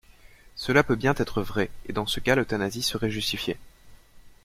Cela peut bien être vrai, et dans ce cas l'euthanasie serait justifiée.